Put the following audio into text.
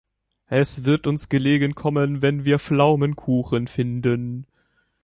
Es wird uns gelegen kommen, wenn wir Pflaumenkuchen finden.